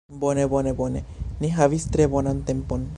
Bone, bone, bone ni havis tre bonan tempon